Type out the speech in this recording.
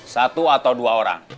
satu atau dua orang